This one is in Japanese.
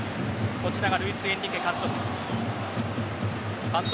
こちらがルイス・エンリケ監督。